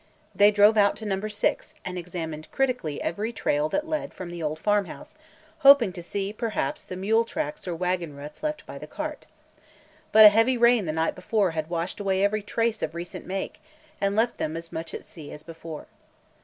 They drove out to Number Six and examined critically every trail that led from the old farm house, hoping to see perhaps the mule tracks or wagon ruts left by the cart. But a heavy rain the night before had washed away every trace of recent make and left them as much at sea as before.